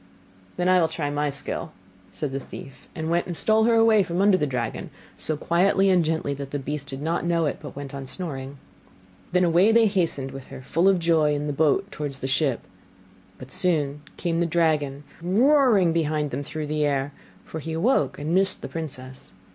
'Then I will try my skill,' said the thief, and went and stole her away from under the dragon, so quietly and gently that the beast did not know it, but went on snoring. Then away they hastened with her full of joy in their boat towards the ship; but soon came the dragon roaring behind them through the air; for he awoke and missed the princess.